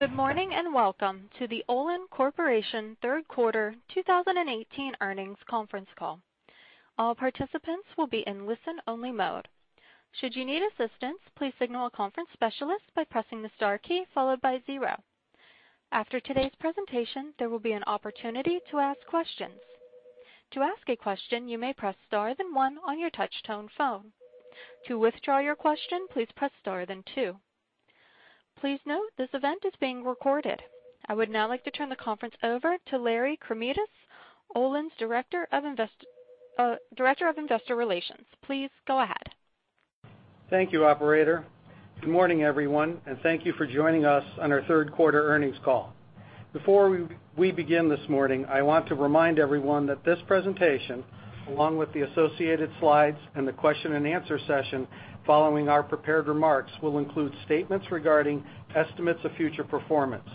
Good morning, and welcome to the Olin Corporation third quarter 2018 earnings conference call. All participants will be in listen-only mode. Should you need assistance, please signal a conference specialist by pressing the star key followed by zero. After today's presentation, there will be an opportunity to ask questions. To ask a question, you may press star, then one on your touch-tone phone. To withdraw your question, please press star then two. Please note this event is being recorded. I would now like to turn the conference over to Larry Kromidas, Olin's Director of Investor Relations. Please go ahead. Thank you, operator. Good morning, everyone, and thank you for joining us on our third quarter earnings call. Before we begin this morning, I want to remind everyone that this presentation, along with the associated slides and the question and answer session following our prepared remarks, will include statements regarding estimates of future performance.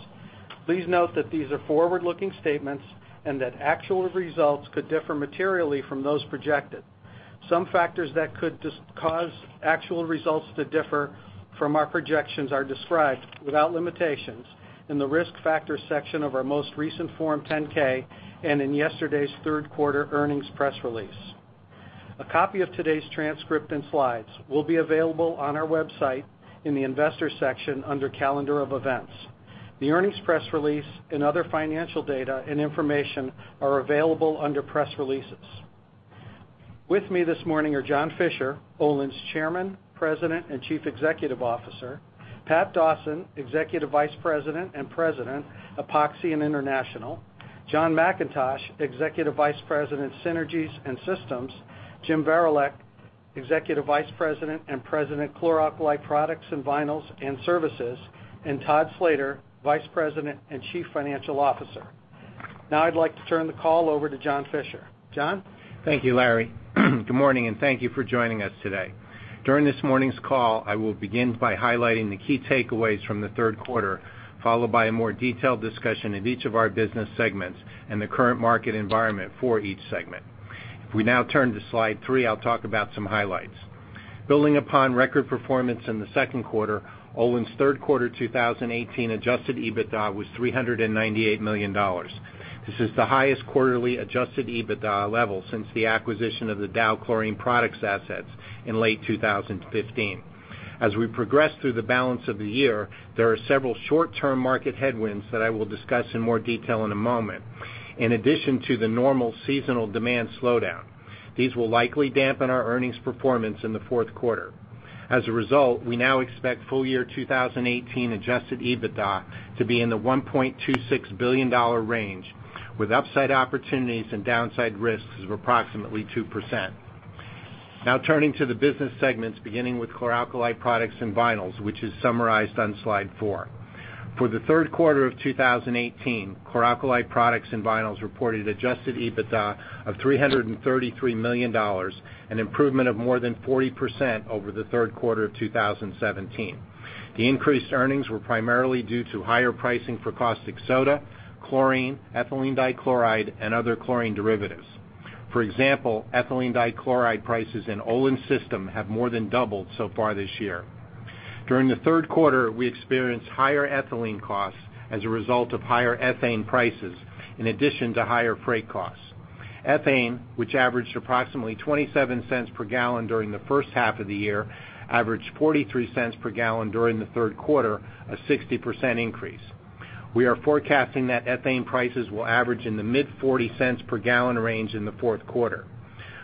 Please note that these are forward-looking statements and that actual results could differ materially from those projected. Some factors that could cause actual results to differ from our projections are described, without limitations, in the Risk Factors section of our most recent Form 10-K and in yesterday's third quarter earnings press release. A copy of today's transcript and slides will be available on our website in the Investors section under Calendar of Events. The earnings press release and other financial data and information are available under Press Releases. With me this morning are John Fischer, Olin's Chairman, President, and Chief Executive Officer; Pat Dawson, Executive Vice President and President, Epoxy and International; John McIntosh, Executive Vice President, Synergies and Systems; Jim Varilek, Executive Vice President and President, Chloralkali Products and Vinyls and Services; and Todd Slater, Vice President and Chief Financial Officer. Now I'd like to turn the call over to John Fischer. John? Thank you, Larry. Good morning, and thank you for joining us today. During this morning's call, I will begin by highlighting the key takeaways from the third quarter, followed by a more detailed discussion of each of our business segments and the current market environment for each segment. If we now turn to slide three, I'll talk about some highlights. Building upon record performance in the second quarter, Olin's third quarter 2018 adjusted EBITDA was $398 million. This is the highest quarterly adjusted EBITDA level since the acquisition of the Dow Chlorine Products assets in late 2015. As we progress through the balance of the year, there are several short-term market headwinds that I will discuss in more detail in a moment. In addition to the normal seasonal demand slowdown, these will likely dampen our earnings performance in the fourth quarter. We now expect full year 2018 adjusted EBITDA to be in the $1.26 billion range, with upside opportunities and downside risks of approximately 2%. Turning to the business segments, beginning with Chloralkali Products and Vinyls, which is summarized on slide four. For the third quarter of 2018, Chloralkali Products and Vinyls reported adjusted EBITDA of $333 million, an improvement of more than 40% over the third quarter of 2017. The increased earnings were primarily due to higher pricing for caustic soda, chlorine, ethylene dichloride, and other chlorine derivatives. For example, ethylene dichloride prices in Olin's system have more than doubled so far this year. During the third quarter, we experienced higher ethylene costs as a result of higher ethane prices, in addition to higher freight costs. Ethane, which averaged approximately $0.27 per gallon during the first half of the year, averaged $0.43 per gallon during the third quarter, a 60% increase. We are forecasting that ethane prices will average in the mid $0.40 per gallon range in the fourth quarter.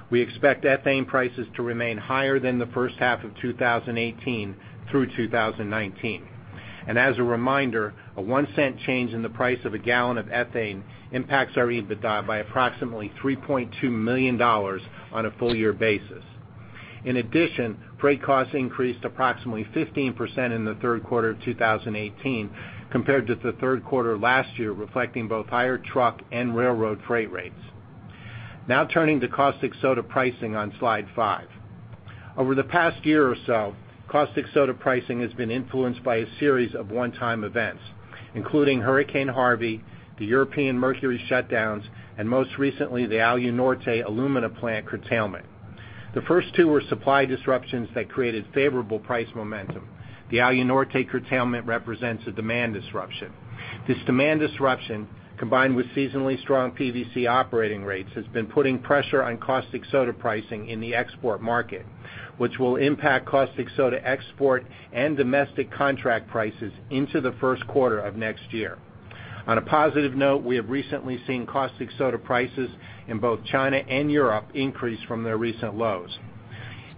We expect ethane prices to remain higher than the first half of 2018 through 2019. As a reminder, a $0.01 change in the price of a gallon of ethane impacts our EBITDA by approximately $3.2 million on a full year basis. In addition, freight costs increased approximately 15% in the third quarter of 2018 compared to the third quarter last year, reflecting both higher truck and railroad freight rates. Turning to caustic soda pricing on slide five. Over the past year or so, caustic soda pricing has been influenced by a series of one-time events, including Hurricane Harvey, the European mercury shutdowns, and most recently, the Alunorte alumina plant curtailment. The first two were supply disruptions that created favorable price momentum. The Alunorte curtailment represents a demand disruption. This demand disruption, combined with seasonally strong PVC operating rates, has been putting pressure on caustic soda pricing in the export market, which will impact caustic soda export and domestic contract prices into the first quarter of next year. On a positive note, we have recently seen caustic soda prices in both China and Europe increase from their recent lows.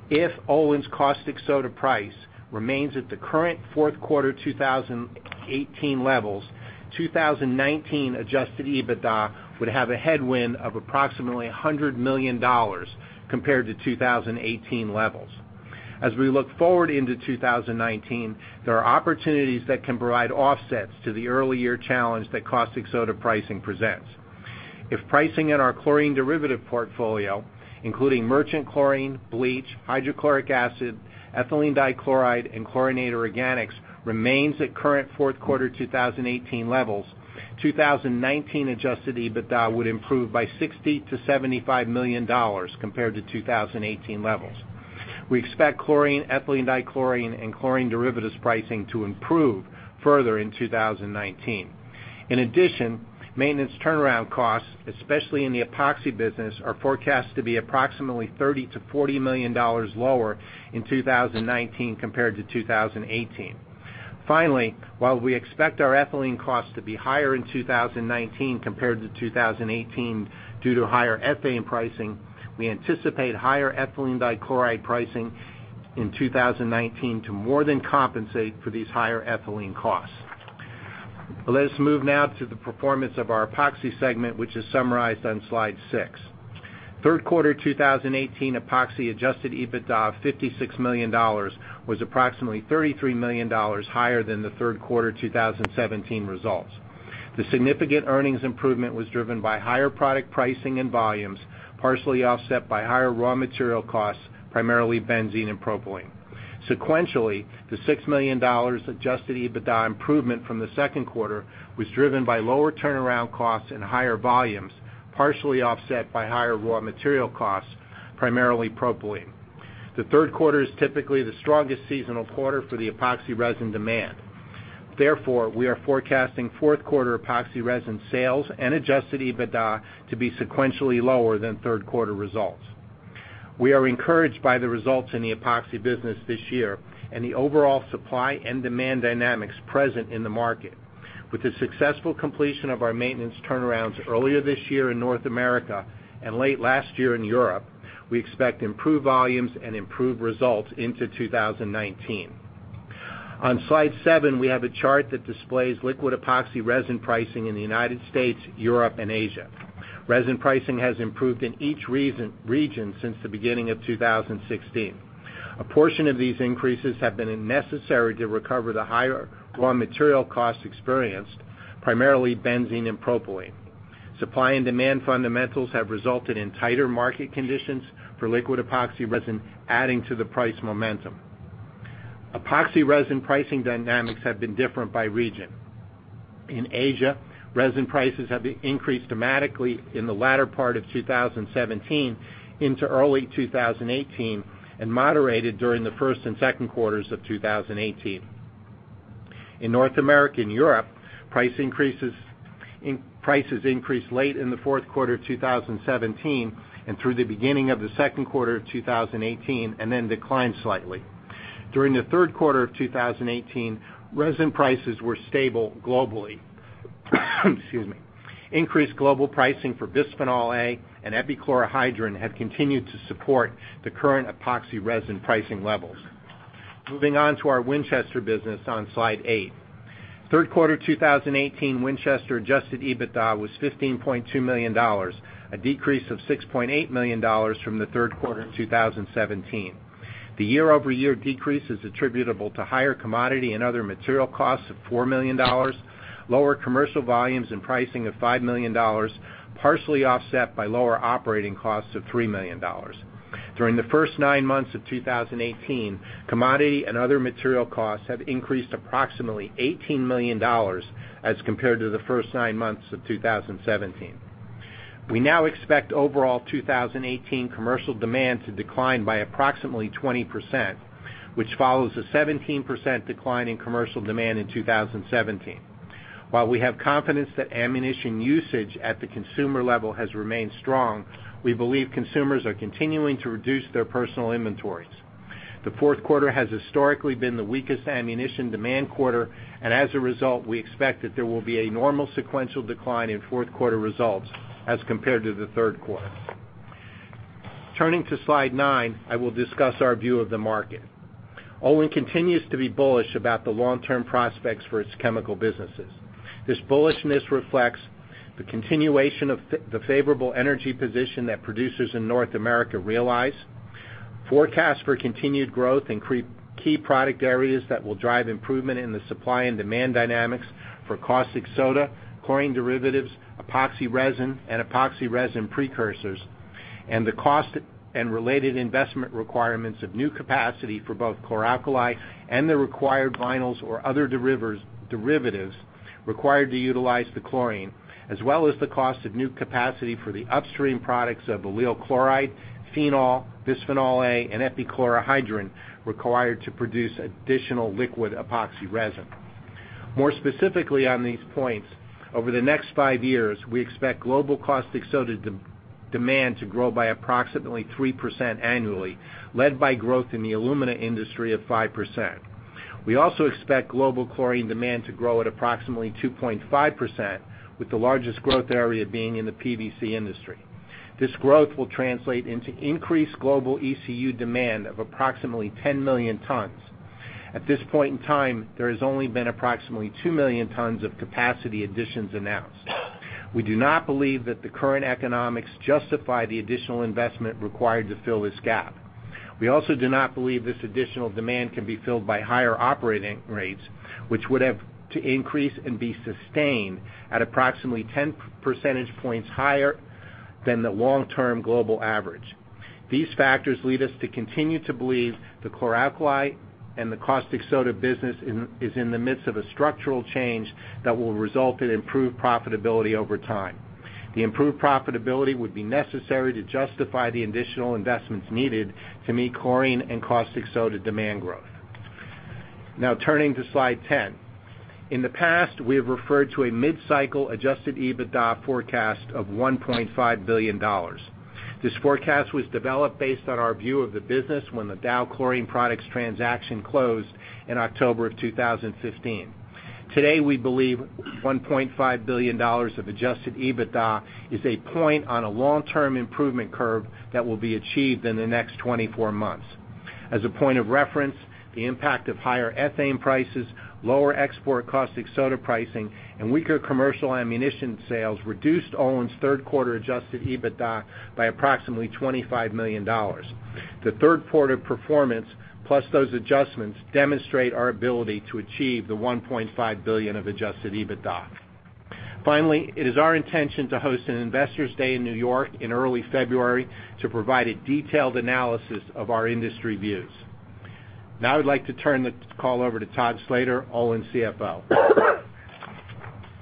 If Olin's caustic soda price remains at the current fourth quarter 2018 levels, 2019 adjusted EBITDA would have a headwind of approximately $100 million compared to 2018 levels. We look forward into 2019, there are opportunities that can provide offsets to the early year challenge that caustic soda pricing presents. If pricing at our chlorine derivative portfolio, including merchant chlorine, bleach, hydrochloric acid, ethylene dichloride, and chlorinated organics, remains at current fourth quarter 2018 levels, 2019 adjusted EBITDA would improve by $60 million to $75 million compared to 2018 levels. We expect chlorine, ethylene dichloride, and chlorine derivatives pricing to improve further in 2019. In addition, maintenance turnaround costs, especially in the epoxy business, are forecast to be approximately $30 million to $40 million lower in 2019 compared to 2018. Finally, while we expect our ethylene costs to be higher in 2019 compared to 2018, due to higher ethane pricing, we anticipate higher ethylene dichloride pricing in 2019 to more than compensate for these higher ethylene costs. Let us move now to the performance of our Epoxy segment, which is summarized on slide six. Third quarter 2018 Epoxy adjusted EBITDA of $56 million, was approximately $33 million higher than the third quarter 2017 results. The significant earnings improvement was driven by higher product pricing and volumes, partially offset by higher raw material costs, primarily benzene and propylene. Sequentially, the $6 million adjusted EBITDA improvement from the second quarter was driven by lower turnaround costs and higher volumes, partially offset by higher raw material costs, primarily propylene. The third quarter is typically the strongest seasonal quarter for the epoxy resin demand. Therefore, we are forecasting fourth quarter epoxy resin sales and adjusted EBITDA to be sequentially lower than third quarter results. We are encouraged by the results in the Epoxy business this year and the overall supply and demand dynamics present in the market. With the successful completion of our maintenance turnarounds earlier this year in North America and late last year in Europe, we expect improved volumes and improved results into 2019. On slide seven, we have a chart that displays liquid epoxy resin pricing in the United States, Europe, and Asia. Resin pricing has improved in each region since the beginning of 2016. A portion of these increases have been necessary to recover the higher raw material costs experienced, primarily benzene and propylene. Supply and demand fundamentals have resulted in tighter market conditions for liquid epoxy resin, adding to the price momentum. Epoxy resin pricing dynamics have been different by region. In Asia, resin prices have increased dramatically in the latter part of 2017 into early 2018, and moderated during the first and second quarters of 2018. In North America and Europe, prices increased late in the fourth quarter 2017 and through the beginning of the second quarter of 2018, and then declined slightly. During the third quarter of 2018, resin prices were stable globally. Excuse me. Increased global pricing for bisphenol A and epichlorohydrin have continued to support the current epoxy resin pricing levels. Moving on to our Winchester business on slide eight. Third quarter 2018 Winchester adjusted EBITDA was $15.2 million, a decrease of $6.8 million from the third quarter 2017. The year-over-year decrease is attributable to higher commodity and other material costs of $4 million, lower commercial volumes and pricing of $5 million, partially offset by lower operating costs of $3 million. During the first nine months of 2018, commodity and other material costs have increased approximately $18 million as compared to the first nine months of 2017. We now expect overall 2018 commercial demand to decline by approximately 20%, which follows a 17% decline in commercial demand in 2017. While we have confidence that ammunition usage at the consumer level has remained strong, we believe consumers are continuing to reduce their personal inventories. The fourth quarter has historically been the weakest ammunition demand quarter, and as a result, we expect that there will be a normal sequential decline in fourth quarter results as compared to the third quarter. Turning to slide nine, I will discuss our view of the market. Olin continues to be bullish about the long-term prospects for its chemical businesses. This bullishness reflects the continuation of the favorable energy position that producers in North America realize. Forecast for continued growth in key product areas that will drive improvement in the supply and demand dynamics for caustic soda, chlorine derivatives, epoxy resin, and epoxy resin precursors. The cost and related investment requirements of new capacity for both chlor-alkali and the required vinyls or other derivatives required to utilize the chlorine, as well as the cost of new capacity for the upstream products of allyl chloride, phenol, bisphenol A, and epichlorohydrin required to produce additional liquid epoxy resin. More specifically on these points, over the next five years, we expect global caustic soda demand to grow by approximately 3% annually, led by growth in the alumina industry of 5%. We also expect global chlorine demand to grow at approximately 2.5%, with the largest growth area being in the PVC industry. This growth will translate into increased global ECU demand of approximately 10 million tons. At this point in time, there has only been approximately 2 million tons of capacity additions announced. We do not believe that the current economics justify the additional investment required to fill this gap. We also do not believe this additional demand can be filled by higher operating rates, which would have to increase and be sustained at approximately 10 percentage points higher than the long-term global average. These factors lead us to continue to believe the chlor-alkali and the caustic soda business is in the midst of a structural change that will result in improved profitability over time. The improved profitability would be necessary to justify the additional investments needed to meet chlorine and caustic soda demand growth. Now turning to slide 10. In the past, we have referred to a mid-cycle adjusted EBITDA forecast of $1.5 billion. This forecast was developed based on our view of the business when the Dow Chlorine Products transaction closed in October of 2015. Today, we believe $1.5 billion of adjusted EBITDA is a point on a long-term improvement curve that will be achieved in the next 24 months. As a point of reference, the impact of higher ethane prices, lower export caustic soda pricing, and weaker commercial ammunition sales reduced Olin's third quarter adjusted EBITDA by approximately $25 million. The third quarter performance, plus those adjustments, demonstrate our ability to achieve the $1.5 billion of adjusted EBITDA. Finally, it is our intention to host an Investors Day in New York in early February to provide a detailed analysis of our industry views. Now I would like to turn the call over to Todd Slater, Olin's CFO.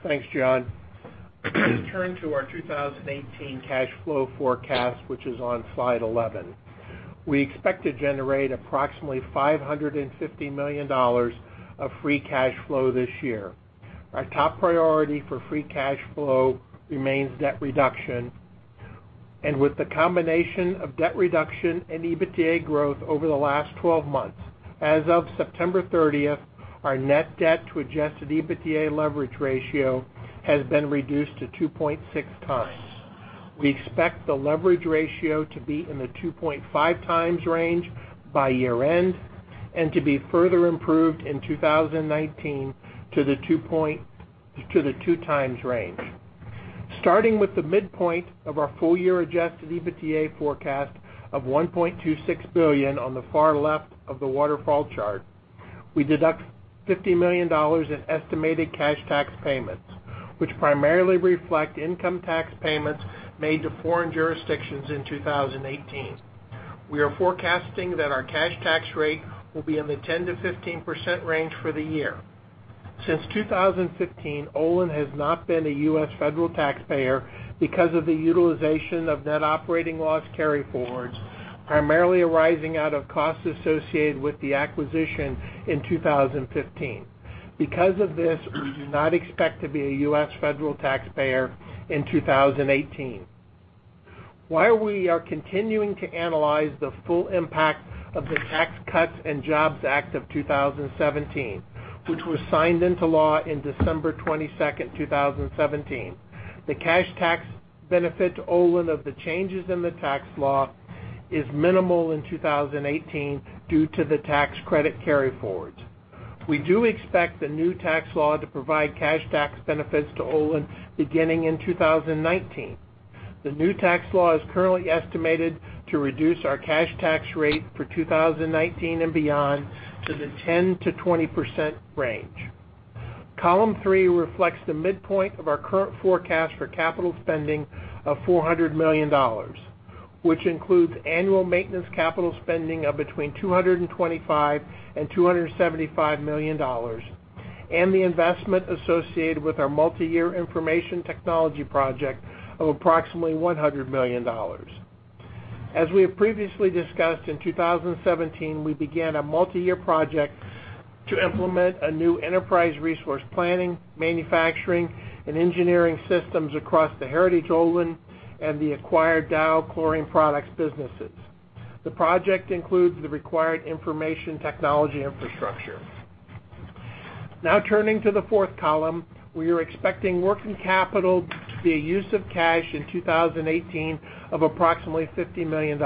Thanks, John. Turning to our 2018 cash flow forecast, which is on slide 11. We expect to generate approximately $550 million of free cash flow this year. With the combination of debt reduction and EBITDA growth over the last 12 months, as of September 30th, our net debt to adjusted EBITDA leverage ratio has been reduced to 2.6 times. We expect the leverage ratio to be in the 2.5 times range by year-end, and to be further improved in 2019 to the 2 times range. Starting with the midpoint of our full-year adjusted EBITDA forecast of $1.26 billion on the far left of the waterfall chart, we deduct $50 million in estimated cash tax payments, which primarily reflect income tax payments made to foreign jurisdictions in 2018. We are forecasting that our cash tax rate will be in the 10%-15% range for the year. Since 2015, Olin has not been a U.S. federal taxpayer because of the utilization of net operating loss carryforwards, primarily arising out of costs associated with the acquisition in 2015. Because of this, we do not expect to be a U.S. federal taxpayer in 2018. While we are continuing to analyze the full impact of the Tax Cuts and Jobs Act of 2017, which was signed into law in December 22nd, 2017, the cash tax benefit to Olin of the changes in the tax law is minimal in 2018 due to the tax credit carryforwards. We do expect the new tax law to provide cash tax benefits to Olin beginning in 2019. The new tax law is currently estimated to reduce our cash tax rate for 2019 and beyond to the 10%-20% range. Column 3 reflects the midpoint of our current forecast for capital spending of $400 million, which includes annual maintenance capital spending of between $225 million and $275 million, and the investment associated with our multi-year information technology project of approximately $100 million. As we have previously discussed, in 2017, we began a multi-year project to implement a new enterprise resource planning, manufacturing, and engineering systems across the heritage Olin and the acquired Dow Chlorine Products businesses. The project includes the required information technology infrastructure. Turning to the 4th column, we are expecting working capital to be a use of cash in 2018 of approximately $50 million.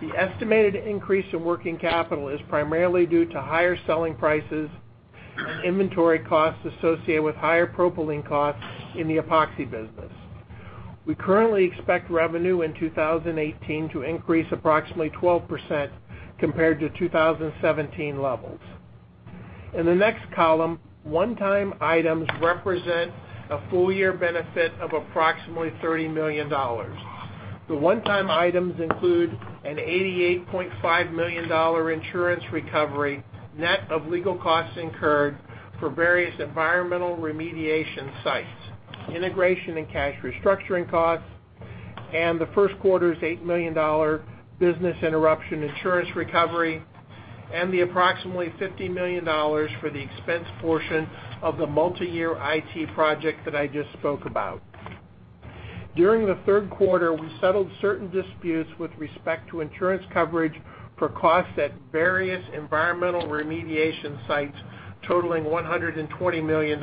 The estimated increase in working capital is primarily due to higher selling prices and inventory costs associated with higher propylene costs in the epoxy business. We currently expect revenue in 2018 to increase approximately 12% compared to 2017 levels. In the next column, one-time items represent a full-year benefit of approximately $30 million. The one-time items include an $88.5 million insurance recovery, net of legal costs incurred for various environmental remediation sites, integration and cash restructuring costs, and the 1st quarter's $8 million business interruption insurance recovery, and the approximately $50 million for the expense portion of the multi-year IT project that I just spoke about. During the 3rd quarter, we settled certain disputes with respect to insurance coverage for costs at various environmental remediation sites totaling $120 million,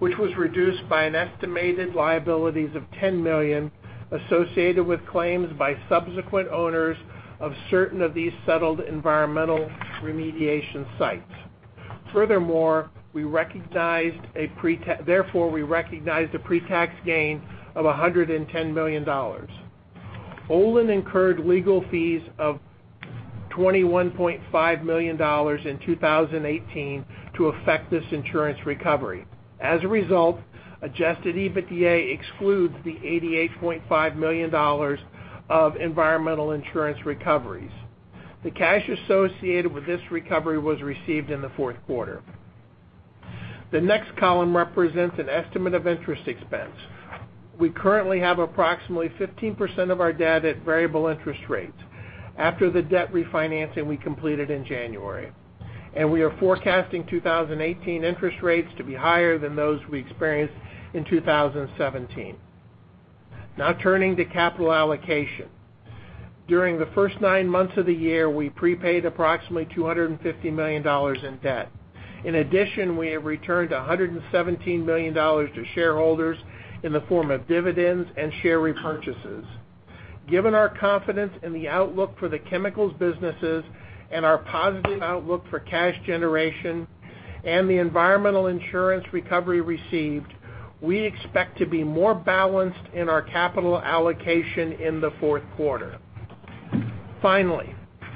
which was reduced by an estimated liabilities of $10 million associated with claims by subsequent owners of certain of these settled environmental remediation sites. Therefore, we recognized a pre-tax gain of $110 million. Olin incurred legal fees of $21.5 million in 2018 to effect this insurance recovery. As a result, adjusted EBITDA excludes the $88.5 million of environmental insurance recoveries. The cash associated with this recovery was received in the 4th quarter. The next column represents an estimate of interest expense. We currently have approximately 15% of our debt at variable interest rates after the debt refinancing we completed in January, and we are forecasting 2018 interest rates to be higher than those we experienced in 2017. Turning to capital allocation. During the first nine months of the year, we prepaid approximately $250 million in debt. In addition, we have returned $117 million to shareholders in the form of dividends and share repurchases. Given our confidence in the outlook for the chemicals businesses and our positive outlook for cash generation and the environmental insurance recovery received, we expect to be more balanced in our capital allocation in the fourth quarter. Finally,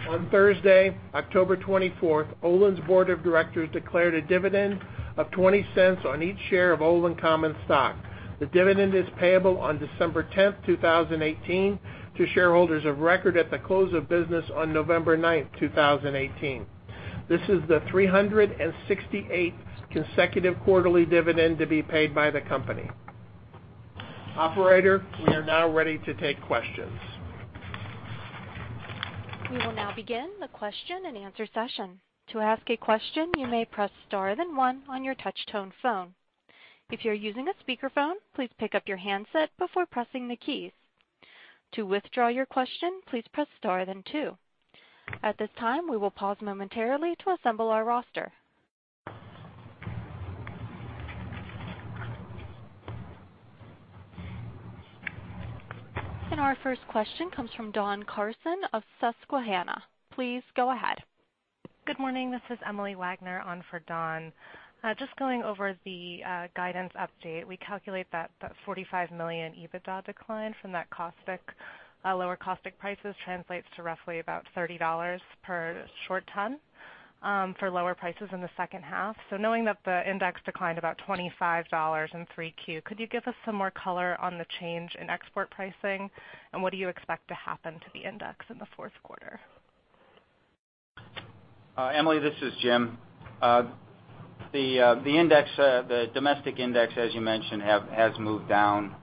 on Thursday, October 24th, Olin's Board of Directors declared a dividend of $0.20 on each share of Olin common stock. The dividend is payable on December 10th, 2018 to shareholders of record at the close of business on November 9th, 2018. This is the 368th consecutive quarterly dividend to be paid by the company. Operator, we are now ready to take questions. We will now begin the question and answer session. To ask a question, you may press star then one on your touch tone phone. If you're using a speakerphone, please pick up your handset before pressing the keys. To withdraw your question, please press star then two. At this time, we will pause momentarily to assemble our roster. Our first question comes from Don Carson of Susquehanna. Please go ahead. Good morning. This is Emily Wagner on for Don. Just going over the guidance update. We calculate that the $45 million EBITDA decline from that lower caustic prices translates to roughly about $30 per short ton for lower prices in the second half. Knowing that the index declined about $25 in 3Q, could you give us some more color on the change in export pricing, and what do you expect to happen to the index in the fourth quarter? Emily, this is Jim. The domestic index, as you mentioned, has moved down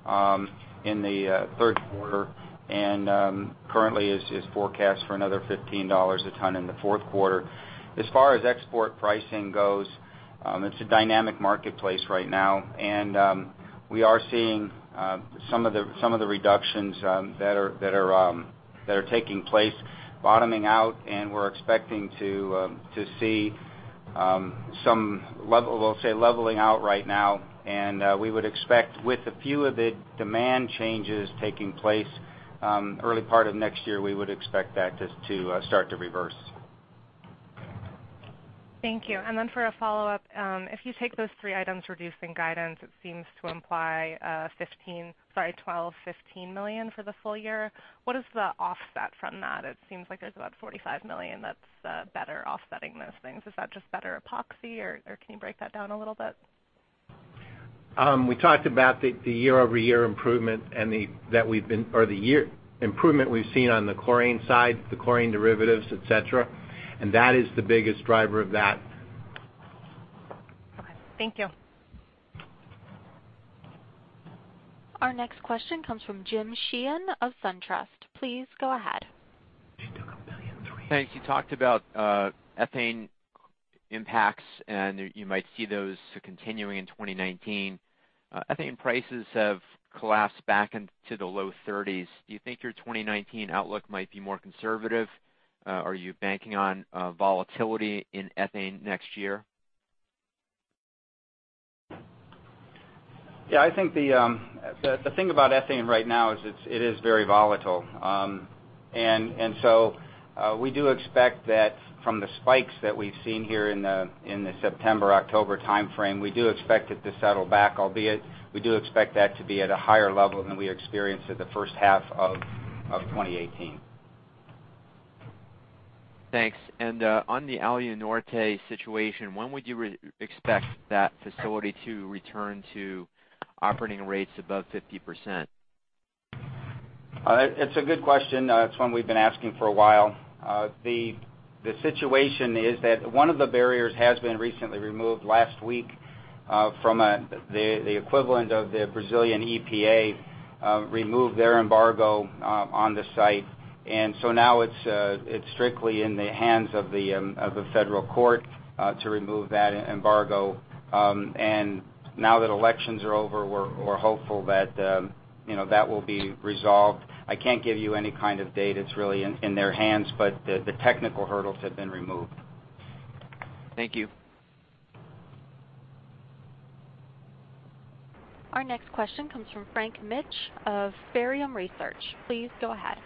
in the third quarter, and currently is forecast for another $15 a ton in the fourth quarter. As far as export pricing goes, it's a dynamic marketplace right now, and we are seeing some of the reductions that are taking place bottoming out, and we're expecting to see some, we'll say, leveling out right now. We would expect with the few of the demand changes taking place early part of next year, we would expect that to start to reverse. Thank you. For a follow-up, if you take those three items reducing guidance, it seems to imply $12 million-$15 million for the full year. What is the offset from that? It seems like there's about $45 million that's better offsetting those things. Is that just better epoxy, or can you break that down a little bit? We talked about the year-over-year improvement we've seen on the chlorine side, the chlorine derivatives, et cetera. That is the biggest driver of that. Okay. Thank you. Our next question comes from Jim Sheehan of SunTrust. Please go ahead. Thanks. You talked about ethane impacts you might see those continuing in 2019. Ethane prices have collapsed back into the low 30s. Do you think your 2019 outlook might be more conservative? Are you banking on volatility in ethane next year? Yeah. The thing about ethane right now is it is very volatile. We do expect that from the spikes that we've seen here in the September, October timeframe, we do expect it to settle back, albeit we do expect that to be at a higher level than we experienced at the first half of 2018. Thanks. On the Alunorte situation, when would you expect that facility to return to operating rates above 50%? It's a good question. It's one we've been asking for a while. The situation is that one of the barriers has been recently removed last week from the equivalent of the Brazilian EPA removed their embargo on the site. Now it's strictly in the hands of the federal court to remove that embargo. Now that elections are over, we're hopeful that will be resolved. I can't give you any kind of date. It's really in their hands, but the technical hurdles have been removed. Thank you. Our next question comes from Frank Mitsch of Fermium Research. Please go ahead.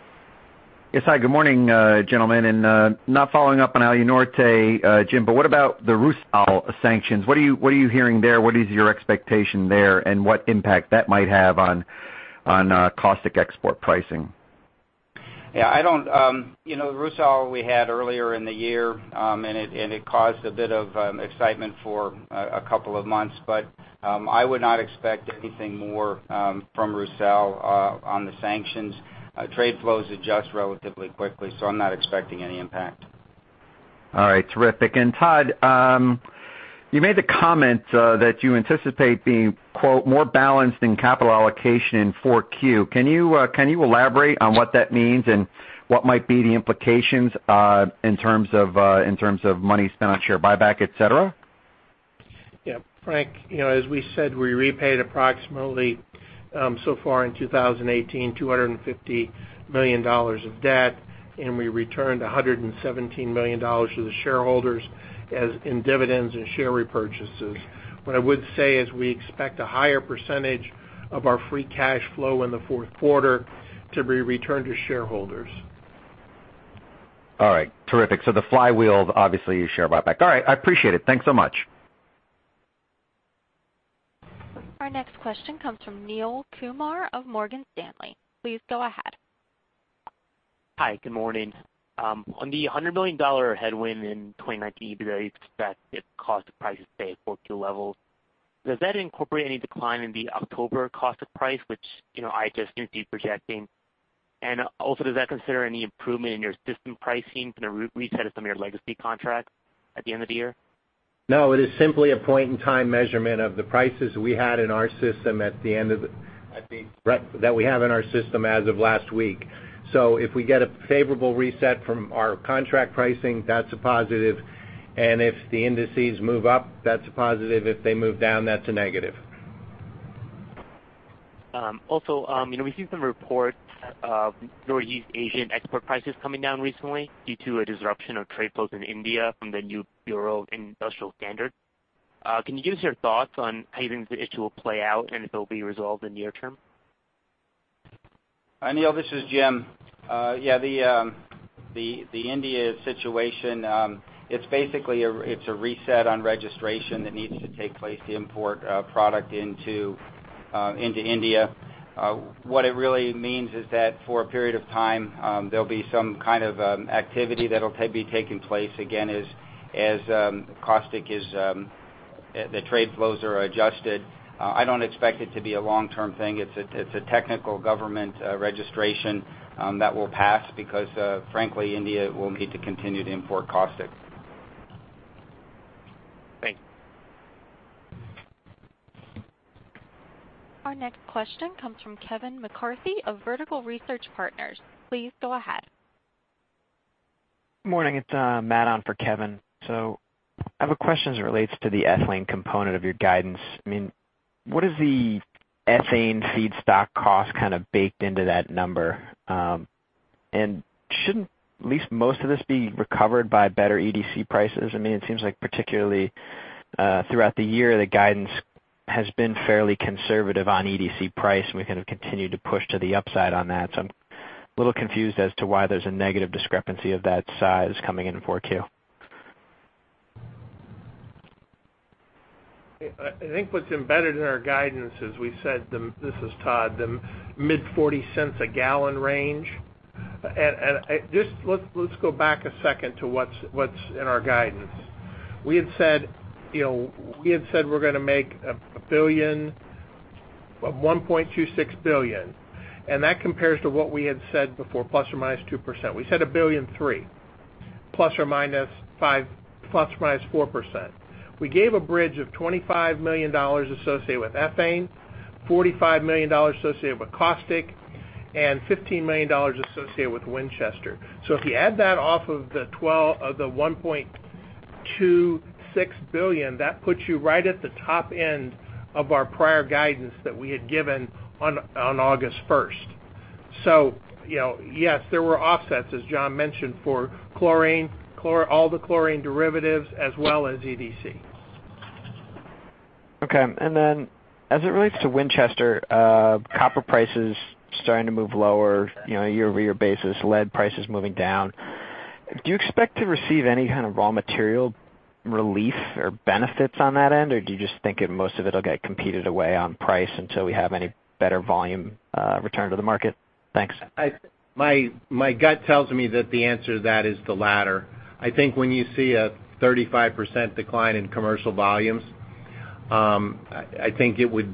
Yes. Hi. Good morning gentlemen. Not following up on Alunorte, Jim, what about the Rusal sanctions? What are you hearing there? What is your expectation there, what impact that might have on caustic export pricing? Yeah. Rusal we had earlier in the year. It caused a bit of excitement for a couple of months. I would not expect anything more from Rusal on the sanctions. Trade flows adjust relatively quickly. I'm not expecting any impact. All right, terrific. Todd, you made the comment that you anticipate being, quote, "more balanced in capital allocation in 4Q." Can you elaborate on what that means and what might be the implications in terms of money spent on share buyback, et cetera? Yeah. Frank, as we said, we repaid approximately, so far in 2018, $250 million of debt, and we returned $117 million to the shareholders as in dividends and share repurchases. What I would say is we expect a higher percentage of our free cash flow in the fourth quarter to be returned to shareholders. All right. Terrific. The flywheel is obviously share buyback. All right, I appreciate it. Thanks so much. Our next question comes from Neel Kumar of Morgan Stanley. Please go ahead. Hi. Good morning. On the $100 million headwind in 2019 EBITDA, you'd expect if caustic prices stay at 4Q levels. Does that incorporate any decline in the October caustic price, which I just continue projecting? Does that consider any improvement in your system pricing from the reset of some of your legacy contracts at the end of the year? No, it is simply a point in time measurement of the prices that we had in our system as of last week. If we get a favorable reset from our contract pricing, that's a positive. If the indices move up, that's a positive. If they move down, that's a negative. We've seen some reports of Northeast Asian export prices coming down recently due to a disruption of trade flows in India from the new Bureau of Indian Standards. Can you give us your thoughts on how you think the issue will play out, and if it'll be resolved in near term? Neel, this is Jim. The India situation, it's basically a reset on registration that needs to take place to import product into India. What it really means is that for a period of time, there'll be some kind of activity that'll be taking place again as the trade flows are adjusted. I don't expect it to be a long-term thing. It's a technical government registration that will pass because, frankly, India will need to continue to import caustic. Thanks. Our next question comes from Kevin McCarthy of Vertical Research Partners. Please go ahead. Good morning. It's Matt on for Kevin. I have a question as it relates to the ethylene component of your guidance. What is the ethane feedstock cost kind of baked into that number? Shouldn't at least most of this be recovered by better EDC prices? It seems like particularly throughout the year, the guidance has been fairly conservative on EDC price, and we kind of continue to push to the upside on that. I'm a little confused as to why there's a negative discrepancy of that size coming in in 4Q. I think what's embedded in our guidance is we said, this is Todd, the mid $0.40 a gallon range. Just let's go back a second to what's in our guidance. We had said we're going to make $1.26 billion, and that compares to what we had said before, plus or minus 2%. We said $1.3 billion plus or minus 4%. We gave a bridge of $25 million associated with ethane, $45 million associated with caustic, and $15 million associated with Winchester. If you add that off of the $1.26 billion, that puts you right at the top end of our prior guidance that we had given on August 1st. Yes, there were offsets, as John mentioned, for all the chlorine derivatives as well as EDC. Okay. Then as it relates to Winchester, copper prices starting to move lower year-over-year basis. Lead prices moving down. Do you expect to receive any kind of raw material relief or benefits on that end? Or do you just think most of it'll get competed away on price until we have any better volume return to the market? Thanks. My gut tells me that the answer to that is the latter. I think when you see a 35% decline in commercial volumes, I think it would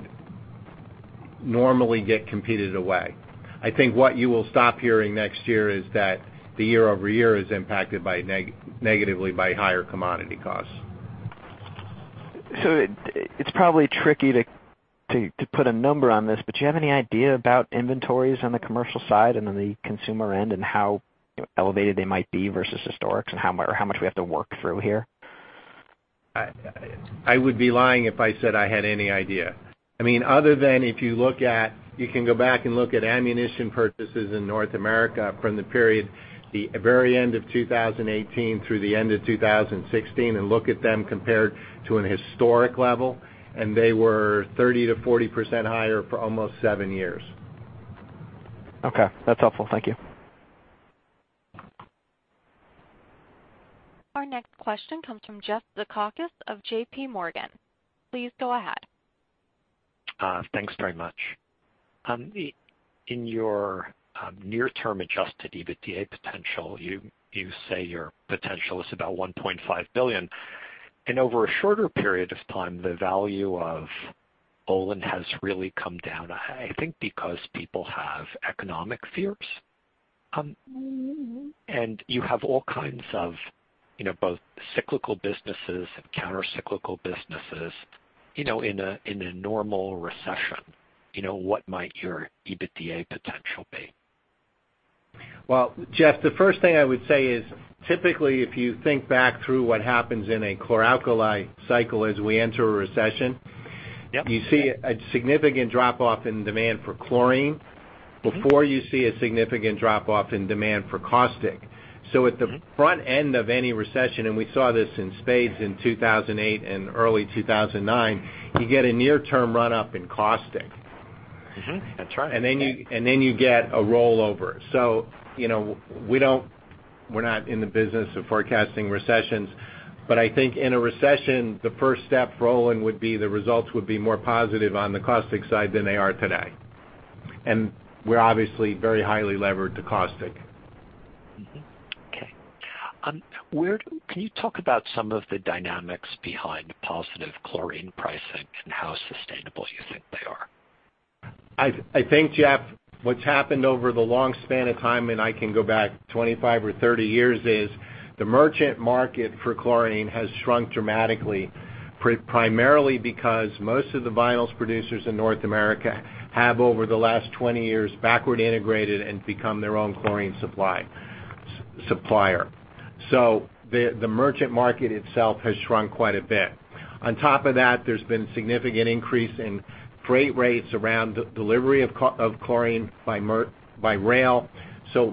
normally get competed away. I think what you will stop hearing next year is that the year-over-year is impacted negatively by higher commodity costs. It's probably tricky to put a number on this, but do you have any idea about inventories on the commercial side and on the consumer end and how elevated they might be versus historics and how much we have to work through here? I would be lying if I said I had any idea. Other than if you can go back and look at ammunition purchases in North America from the period the very end of 2018 through the end of 2016 and look at them compared to an historic level, and they were 30%-40% higher for almost seven years. Okay. That's helpful. Thank you. Our next question comes from Jeffrey Zekauskas of J.P. Morgan. Please go ahead. Thanks very much. In your near term adjusted EBITDA potential, you say your potential is about $1.5 billion. Over a shorter period of time, the value of Olin has really come down, I think because people have economic fears. You have all kinds of both cyclical businesses and counter-cyclical businesses. In a normal recession, what might your EBITDA potential be? Well, Jeff, the first thing I would say is typically, if you think back through what happens in a chlor-alkali cycle as we enter a recession. Yep You see a significant drop-off in demand for chlorine before you see a significant drop-off in demand for caustic. At the front end of any recession, and we saw this in spades in 2008 and early 2009, you get a near-term run-up in caustic. Mm-hmm. That's right. You get a rollover. We're not in the business of forecasting recessions, but I think in a recession, the first step, Roland, would be the results would be more positive on the caustic side than they are today. We're obviously very highly levered to caustic. Mm-hmm. Okay. Can you talk about some of the dynamics behind positive chlorine pricing and how sustainable you think they are? I think, Jeff, what's happened over the long span of time, I can go back 25 or 30 years, is the merchant market for chlorine has shrunk dramatically, primarily because most of the vinyls producers in North America have, over the last 20 years, backward integrated and become their own chlorine supplier. The merchant market itself has shrunk quite a bit. On top of that, there's been significant increase in freight rates around delivery of chlorine by rail. The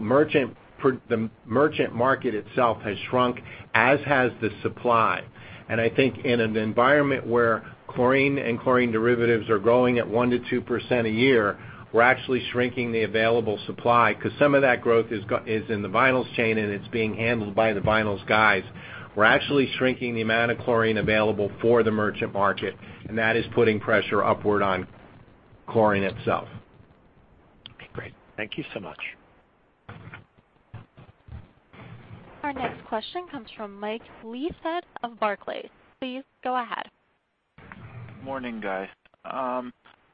merchant market itself has shrunk, as has the supply. I think in an environment where chlorine and chlorine derivatives are growing at 1%-2% a year, we're actually shrinking the available supply because some of that growth is in the vinyls chain, and it's being handled by the vinyls guys. We're actually shrinking the amount of chlorine available for the merchant market, and that is putting pressure upward on chlorine itself. Okay, great. Thank you so much. Our next question comes from Michael Leithead of Barclays. Please go ahead. Morning, guys.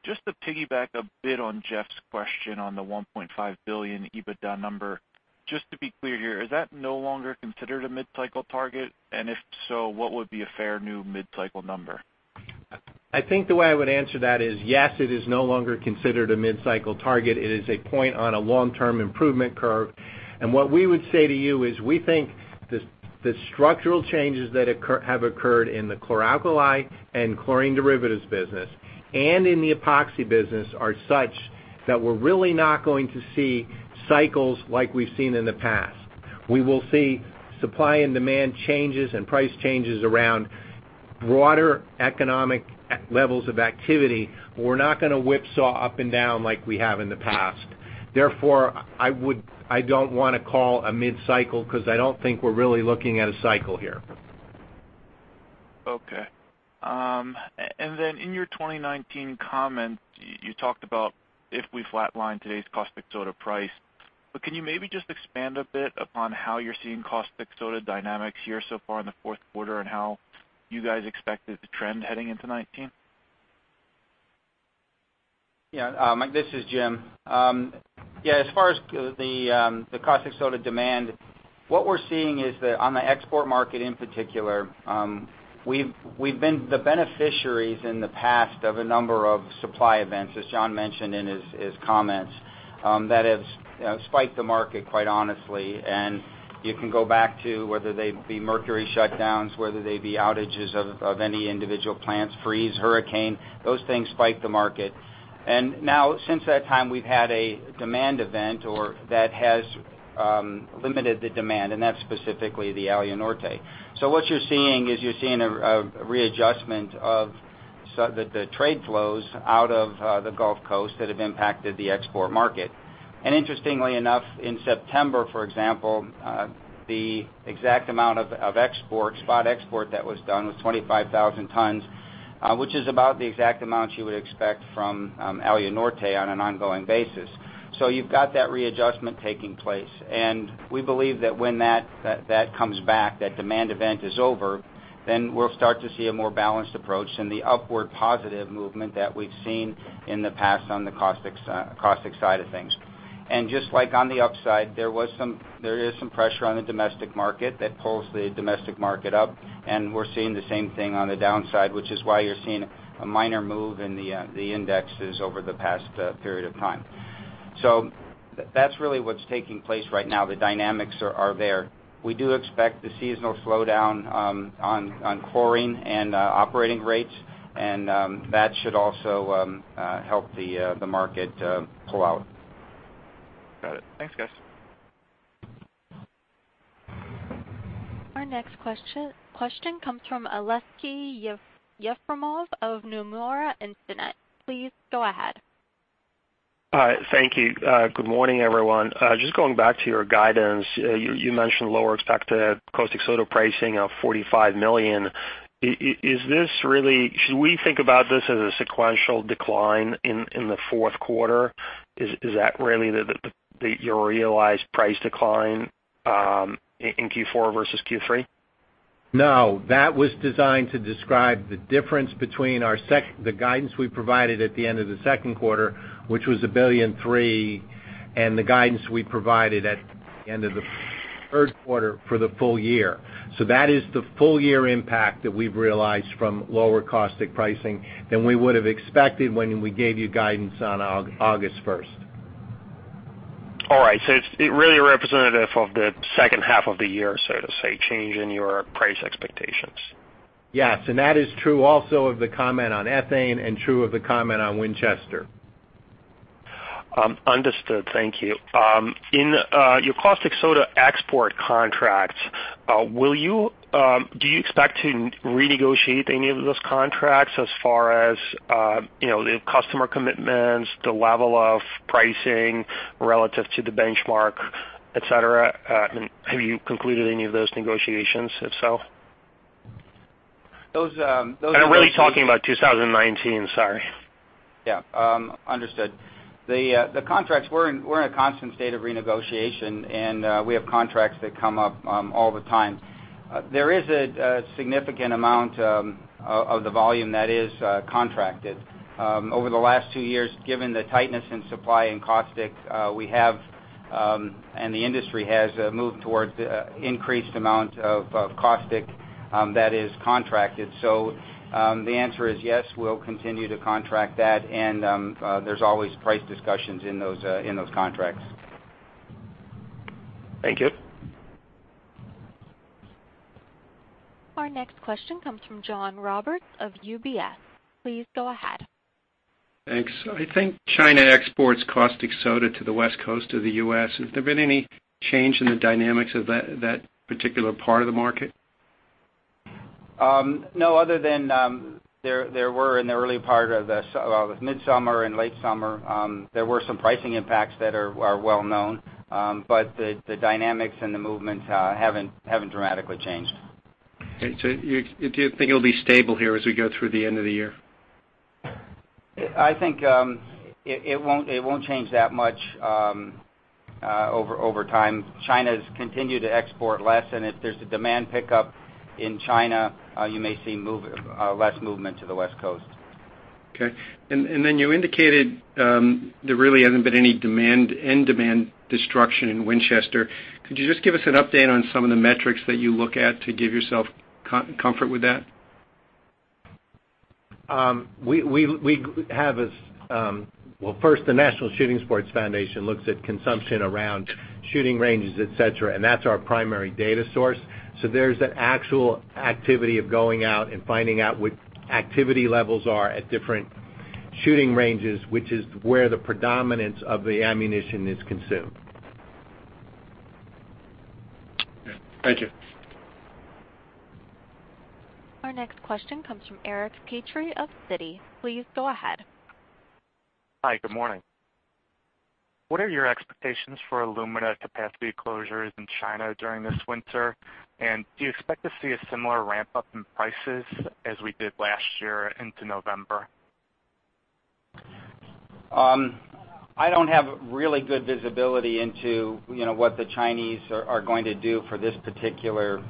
Just to piggyback a bit on Jeff's question on the $1.5 billion EBITDA number. Just to be clear here, is that no longer considered a mid-cycle target? If so, what would be a fair new mid-cycle number? I think the way I would answer that is yes, it is no longer considered a mid-cycle target. It is a point on a long-term improvement curve. What we would say to you is we think the structural changes that have occurred in the chlor-alkali and chlorine derivatives business and in the epoxy business are such that we're really not going to see cycles like we've seen in the past. We will see supply and demand changes and price changes around broader economic levels of activity, but we're not going to whipsaw up and down like we have in the past. Therefore, I don't want to call a mid-cycle because I don't think we're really looking at a cycle here. Okay. Then in your 2019 comments, you talked about if we flatline today's caustic soda price. Can you maybe just expand a bit upon how you're seeing caustic soda dynamics here so far in the fourth quarter and how you guys expect it to trend heading into 2019? Mike, this is Jim. As far as the caustic soda demand, what we're seeing is that on the export market in particular, we've been the beneficiaries in the past of a number of supply events, as John mentioned in his comments, that have spiked the market quite honestly. You can go back to whether they be mercury shutdowns, whether they be outages of any individual plants, freeze, hurricane, those things spike the market. Now since that time, we've had a demand event that has limited the demand, and that's specifically the Alunorte. What you're seeing is you're seeing a readjustment of the trade flows out of the Gulf Coast that have impacted the export market. Interestingly enough, in September, for example, the exact amount of export, spot export that was done was 25,000 tons, which is about the exact amount you would expect from Alunorte on an ongoing basis. You've got that readjustment taking place. We believe that when that comes back, that demand event is over, then we'll start to see a more balanced approach in the upward positive movement that we've seen in the past on the caustic side of things. Just like on the upside, there is some pressure on the domestic market that pulls the domestic market up, and we're seeing the same thing on the downside, which is why you're seeing a minor move in the indexes over the past period of time. That's really what's taking place right now. The dynamics are there. We do expect the seasonal slowdown on chlorine and operating rates, and that should also help the market pull out. Got it. Thanks, guys. Our next question comes from Aleksey Yefremov of Nomura Instinet. Please go ahead. Thank you. Good morning, everyone. Just going back to your guidance. You mentioned lower expected caustic soda pricing of $45 million. Should we think about this as a sequential decline in the fourth quarter? Is that really your realized price decline in Q4 versus Q3? No, that was designed to describe the difference between the guidance we provided at the end of the second quarter, which was $1.3 billion, and the guidance we provided at the end of the third quarter for the full year. That is the full year impact that we've realized from lower caustic pricing than we would have expected when we gave you guidance on August 1st. All right. It's really representative of the second half of the year, so to say, change in your price expectations. Yes. That is true also of the comment on ethane and true of the comment on Winchester. Understood. Thank you. In your caustic soda export contracts, do you expect to renegotiate any of those contracts as far as the customer commitments, the level of pricing relative to the benchmark, et cetera? Have you concluded any of those negotiations, if so? Those- I'm really talking about 2019, sorry. Yeah. Understood. The contracts we're in a constant state of renegotiation, and we have contracts that come up all the time. There is a significant amount of the volume that is contracted. Over the last two years, given the tightness in supply in caustic, we have, and the industry has, moved towards increased amount of caustic that is contracted. The answer is yes, we'll continue to contract that and there's always price discussions in those contracts. Thank you. Our next question comes from John Roberts of UBS. Please go ahead. Thanks. I think China exports caustic soda to the West Coast of the U.S. Has there been any change in the dynamics of that particular part of the market? No, other than there were in the early part of the midsummer and late summer, there were some pricing impacts that are well-known. The dynamics and the movements haven't dramatically changed. You do think it'll be stable here as we go through the end of the year? I think it won't change that much over time. China's continued to export less, and if there's a demand pickup in China, you may see less movement to the West Coast. Okay. You indicated there really hasn't been any end demand destruction in Winchester. Could you just give us an update on some of the metrics that you look at to give yourself comfort with that? Well, first, the National Shooting Sports Foundation looks at consumption around shooting ranges, et cetera, and that's our primary data source. There's that actual activity of going out and finding out what activity levels are at different shooting ranges, which is where the predominance of the ammunition is consumed. Okay. Thank you. Our next question comes from Eric Petrie of Citi. Please go ahead. Hi. Good morning. What are your expectations for alumina capacity closures in China during this winter? Do you expect to see a similar ramp-up in prices as we did last year into November? I don't have really good visibility into what the Chinese are going to do for this particular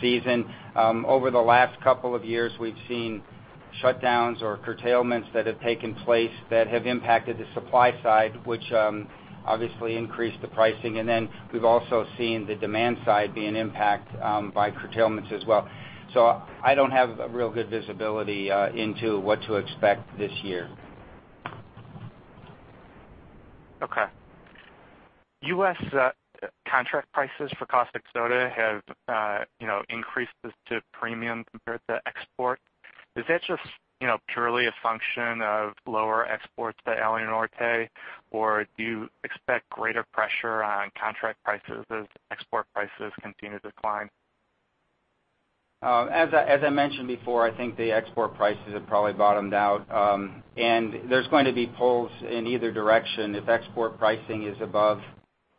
season. Over the last couple of years, we've seen shutdowns or curtailments that have taken place that have impacted the supply side, which obviously increased the pricing. Then we've also seen the demand side being impacted by curtailments as well. I don't have a real good visibility into what to expect this year. Okay. U.S. contract prices for caustic soda have increased to premium compared to export. Is that just purely a function of lower exports by Olin or Tae, or do you expect greater pressure on contract prices as export prices continue to decline? As I mentioned before, I think the export prices have probably bottomed out. There's going to be pulls in either direction. If export pricing is above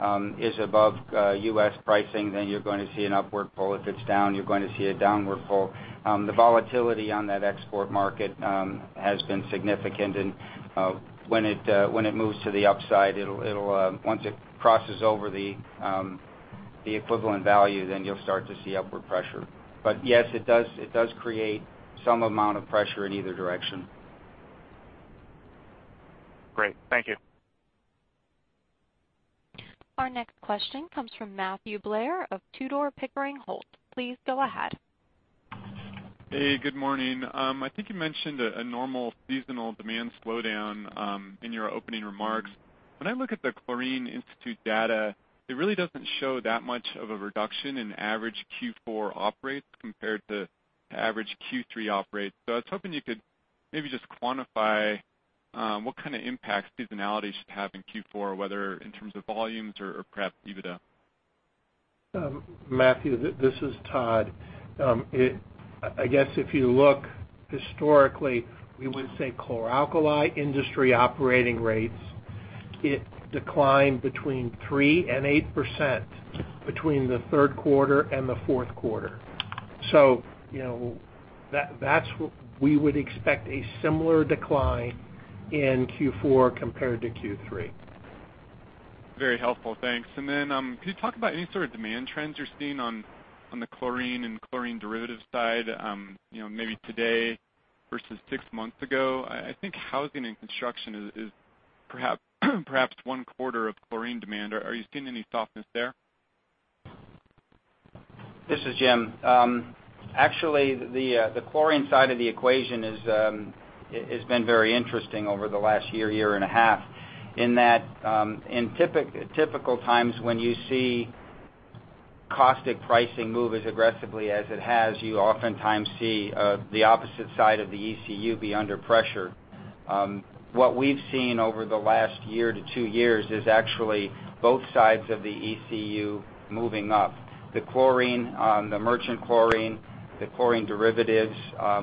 US pricing, then you're going to see an upward pull. If it's down, you're going to see a downward pull. The volatility on that export market has been significant. When it moves to the upside, once it crosses over the equivalent value, then you'll start to see upward pressure. Yes, it does create some amount of pressure in either direction. Great. Thank you. Our next question comes from Matthew Blair of Tudor, Pickering Holt. Please go ahead. Hey, good morning. I think you mentioned a normal seasonal demand slowdown in your opening remarks. When I look at The Chlorine Institute data, it really doesn't show that much of a reduction in average Q4 operates compared to average Q3 operates. I was hoping you could maybe just quantify what kind of impact seasonality should have in Q4, whether in terms of volumes or perhaps EBITDA. Matthew, this is Todd. I guess if you look historically, we would say chlor-alkali industry operating rates, it declined between 3% and 8% between the third quarter and the fourth quarter. We would expect a similar decline in Q4 compared to Q3. Very helpful. Thanks. Then, could you talk about any sort of demand trends you're seeing on the chlorine and chlorine derivative side, maybe today versus six months ago? I think housing and construction is perhaps one quarter of chlorine demand. Are you seeing any softness there? This is Jim. Actually, the chlorine side of the equation has been very interesting over the last year and a half, in that in typical times when you see caustic pricing move as aggressively as it has, you oftentimes see the opposite side of the ECU be under pressure. What we've seen over the last year to two years is actually both sides of the ECU moving up. The chlorine, the merchant chlorine, the chlorine derivatives,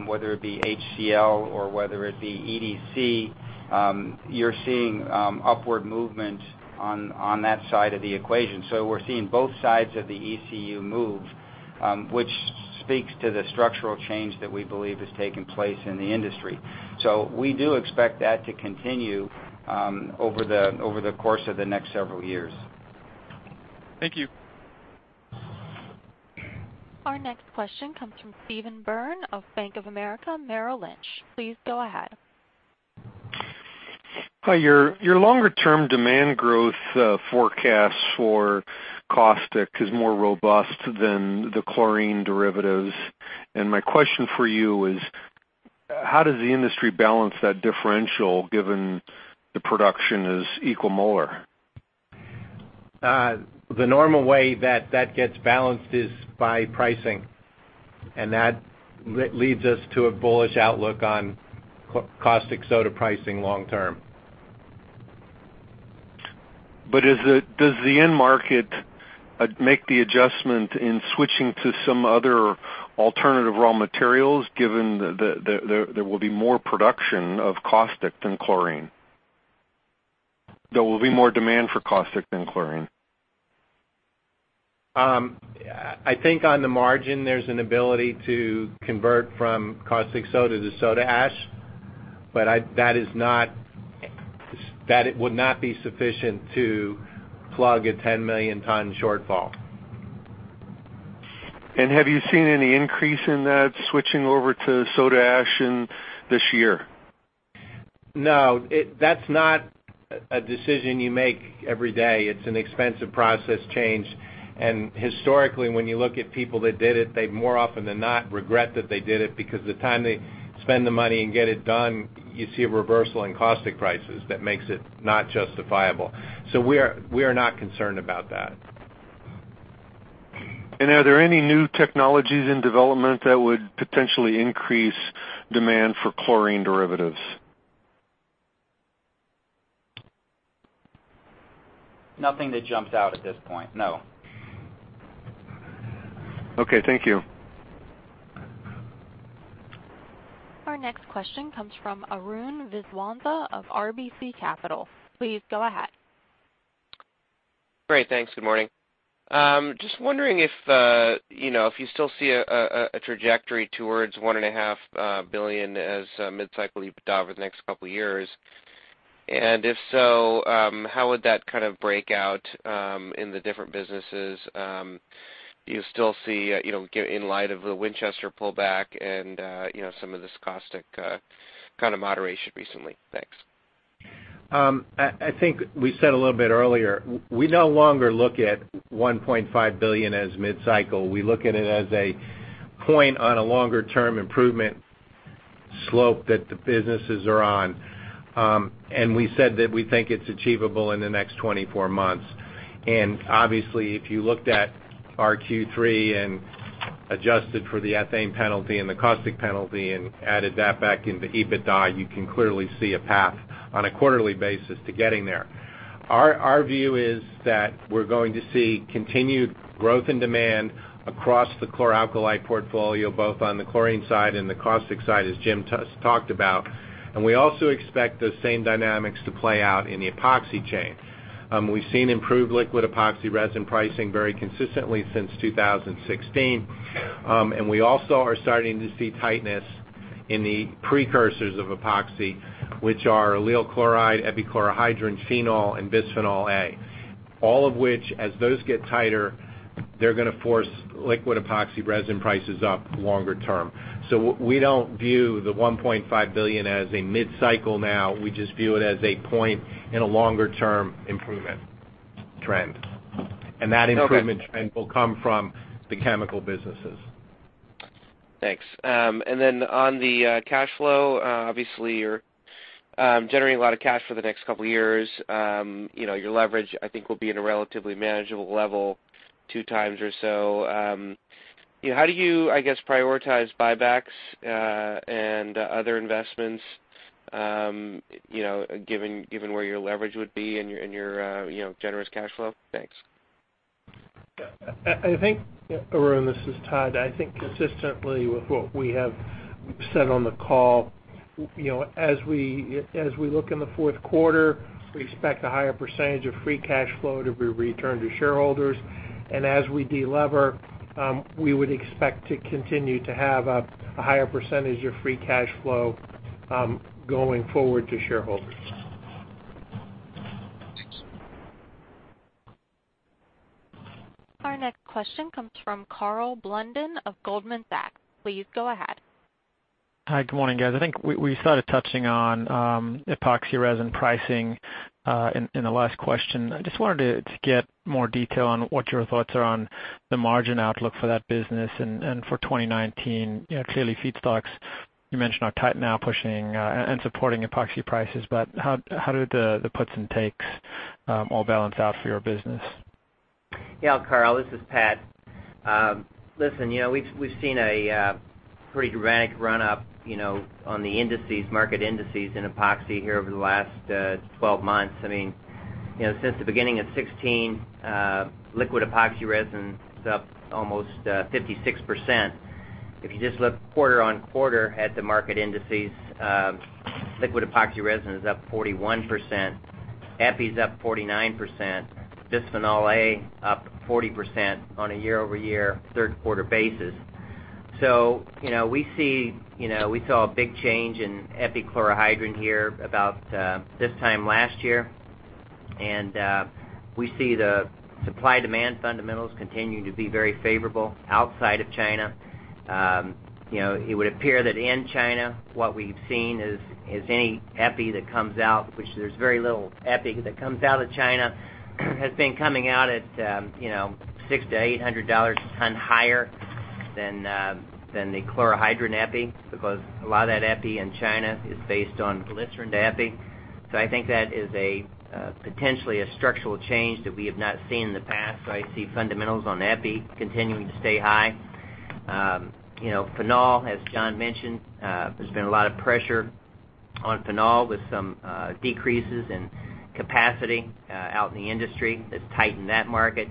whether it be HCl or whether it be EDC, you're seeing upward movement on that side of the equation. We're seeing both sides of the ECU move, which speaks to the structural change that we believe has taken place in the industry. We do expect that to continue over the course of the next several years. Thank you. Our next question comes from Steve Byrne of Bank of America Merrill Lynch. Please go ahead. Hi. Your longer term demand growth forecast for caustic is more robust than the chlorine derivatives. My question for you is, how does the industry balance that differential given the production is equimolar? The normal way that that gets balanced is by pricing. That leads us to a bullish outlook on caustic soda pricing long term. Does the end market make the adjustment in switching to some other alternative raw materials, given there will be more production of caustic than chlorine? There will be more demand for caustic than chlorine. I think on the margin, there's an ability to convert from caustic soda to soda ash. That would not be sufficient to plug a 10 million ton shortfall. Have you seen any increase in that switching over to soda ash in this year? No. That's not a decision you make every day. It's an expensive process change. Historically, when you look at people that did it, they more often than not regret that they did it because the time they spend the money and get it done, you see a reversal in caustic prices that makes it not justifiable. We are not concerned about that. Are there any new technologies in development that would potentially increase demand for chlorine derivatives? Nothing that jumps out at this point, no. Okay. Thank you. Our next question comes from Arun Viswanathan of RBC Capital. Please go ahead. Great. Thanks. Good morning. Just wondering if you still see a trajectory towards $1.5 billion as mid-cycle EBITDA for the next couple of years. If so, how would that kind of break out in the different businesses do you still see in light of the Winchester pullback and some of this caustic kind of moderation recently? Thanks. I think we said a little bit earlier, we no longer look at $1.5 billion as mid-cycle. We look at it as a point on a longer term improvement slope that the businesses are on. We said that we think it's achievable in the next 24 months. Obviously, if you looked at our Q3 and adjusted for the ethane penalty and the caustic penalty and added that back into EBITDA, you can clearly see a path on a quarterly basis to getting there. Our view is that we're going to see continued growth and demand across the chlor-alkali portfolio, both on the chlorine side and the caustic side, as Jim talked about. We also expect those same dynamics to play out in the epoxy chain. We've seen improved liquid epoxy resin pricing very consistently since 2016. We also are starting to see tightness in the precursors of epoxy, which are allyl chloride, epichlorohydrin, phenol, and bisphenol A. All of which, as those get tighter, they're going to force liquid epoxy resin prices up longer term. We don't view the $1.5 billion as a mid-cycle now. We just view it as a point in a longer term improvement trend. Okay. That improvement trend will come from the chemical businesses. Thanks. On the cash flow, obviously you're generating a lot of cash for the next couple of years. Your leverage, I think, will be at a relatively manageable level, two times or so. How do you, I guess, prioritize buybacks and other investments given where your leverage would be and your generous cash flow? Thanks. Arun, this is Todd. I think consistently with what we have said on the call, as we look in the fourth quarter, we expect a higher percentage of free cash flow to be returned to shareholders. As we de-lever, we would expect to continue to have a higher percentage of free cash flow Going forward to shareholders. Our next question comes from Karl Blunden of Goldman Sachs. Please go ahead. Hi. Good morning, guys. I think we started touching on epoxy resin pricing in the last question. I just wanted to get more detail on what your thoughts are on the margin outlook for that business and for 2019. Clearly, feedstocks, you mentioned, are tight now, pushing and supporting epoxy prices. How do the puts and takes all balance out for your business? Karl, this is Pat. Listen, we've seen a pretty dramatic run-up on the indices, market indices in epoxy here over the last 12 months. Since the beginning of 2016, liquid epoxy resin is up almost 56%. If you just look quarter-on-quarter at the market indices, liquid epoxy resin is up 41%, EPI's up 49%, bisphenol A up 40% on a year-over-year, third quarter basis. We saw a big change in epichlorohydrin here about this time last year. We see the supply-demand fundamentals continuing to be very favorable outside of China. It would appear that in China, what we've seen is any EPI that comes out, which there's very little EPI that comes out of China, has been coming out at $600-$800 a ton higher than the chlorohydrin EPI because a lot of that EPI in China is based on glycerin EPI. I think that is potentially a structural change that we have not seen in the past. I see fundamentals on EPI continuing to stay high. Phenol, as John mentioned, there's been a lot of pressure on phenol with some decreases in capacity out in the industry that's tightened that market.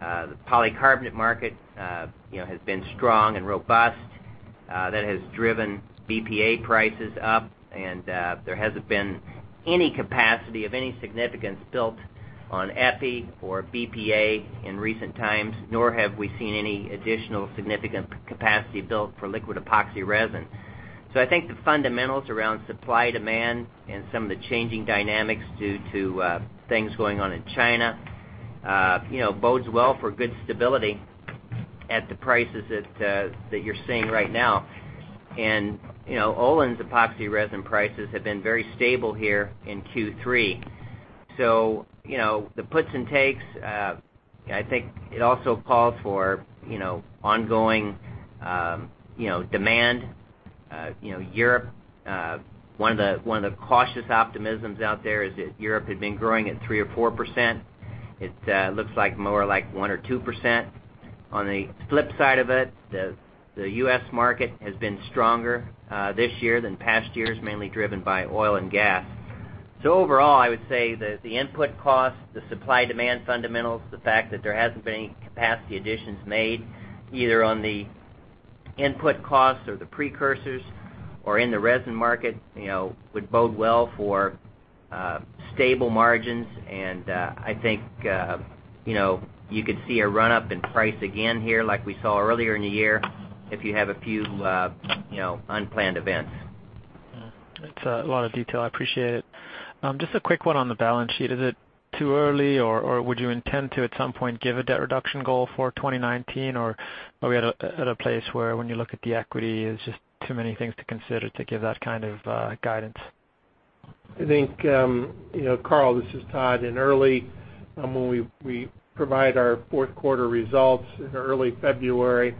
The polycarbonate market has been strong and robust. That has driven BPA prices up, and there hasn't been any capacity of any significance built on EPI or BPA in recent times, nor have we seen any additional significant capacity built for liquid epoxy resin. I think the fundamentals around supply-demand and some of the changing dynamics due to things going on in China bodes well for good stability at the prices that you're seeing right now. Olin's epoxy resin prices have been very stable here in Q3. The puts and takes, I think it also calls for ongoing demand. Europe, one of the cautious optimisms out there is that Europe had been growing at 3% or 4%. It looks like more like 1% or 2%. On the flip side of it, the U.S. market has been stronger this year than past years, mainly driven by oil and gas. Overall, I would say that the input cost, the supply-demand fundamentals, the fact that there hasn't been any capacity additions made, either on the input costs or the precursors or in the resin market would bode well for stable margins. I think you could see a run-up in price again here like we saw earlier in the year if you have a few unplanned events. That's a lot of detail. I appreciate it. Just a quick one on the balance sheet. Is it too early, or would you intend to, at some point, give a debt reduction goal for 2019? Are we at a place where when you look at the equity, it's just too many things to consider to give that kind of guidance? I think, Karl, this is Todd. In early, when we provide our fourth quarter results in early February,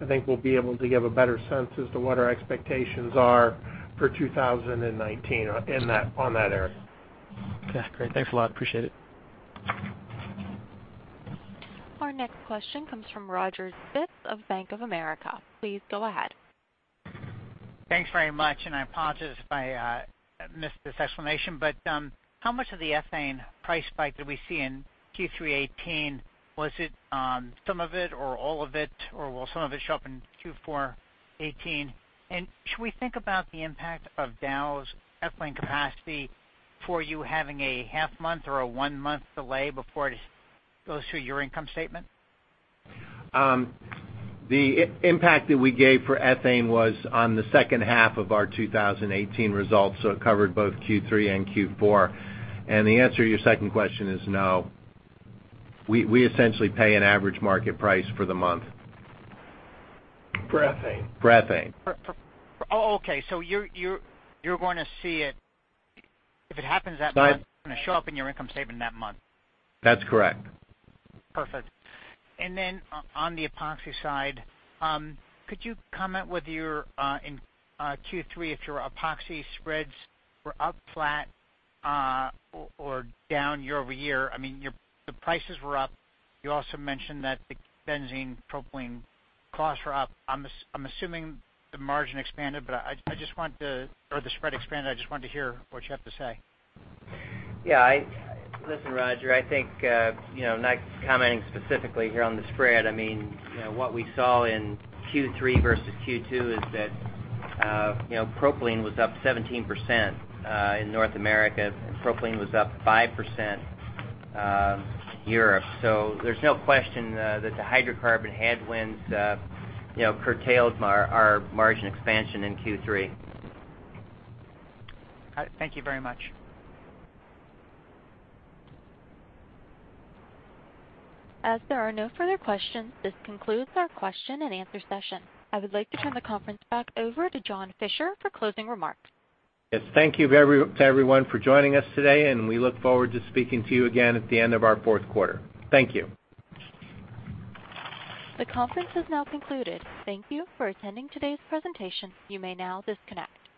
I think we'll be able to give a better sense as to what our expectations are for 2019 on that area. Okay, great. Thanks a lot. Appreciate it. Our next question comes from Roger Spitz of Bank of America. Please go ahead. Thanks very much. I apologize if I missed this explanation. How much of the ethane price spike that we see in Q3 2018, was it some of it or all of it, or will some of it show up in Q4 2018? Should we think about the impact of Dow's ethane capacity for you having a half month or a one-month delay before it goes through your income statement? The impact that we gave for ethane was on the second half of our 2018 results, so it covered both Q3 and Q4. The answer to your second question is no. We essentially pay an average market price for the month. For ethane. For ethane. Okay. You're going to see it, if it happens that month, it's going to show up in your income statement that month. That's correct. Perfect. Then on the epoxy side, could you comment whether you're in Q3, if your epoxy spreads were up flat or down year-over-year? The prices were up. You also mentioned that the benzene propylene costs were up. I'm assuming the margin expanded, or the spread expanded. I just wanted to hear what you have to say. Yeah. Listen, Roger, I think, not commenting specifically here on the spread. What we saw in Q3 versus Q2 is that propylene was up 17% in North America, and propylene was up 5% in Europe. There's no question that the hydrocarbon headwinds curtailed our margin expansion in Q3. Thank you very much. As there are no further questions, this concludes our question and answer session. I would like to turn the conference back over to John Fischer for closing remarks. Yes. Thank you to everyone for joining us today, and we look forward to speaking to you again at the end of our fourth quarter. Thank you. The conference has now concluded. Thank you for attending today's presentation. You may now disconnect.